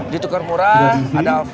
di tukar murah ada